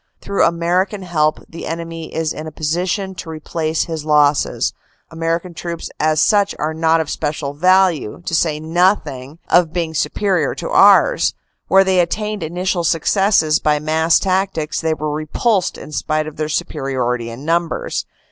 Through American help the enemy is in a position to replace his losses. American troops as such are not of special value, to say nothing of being super ior to ours. Where they attained initial successes by mass tac tics they were repulsed in spite of their superiority in numbers.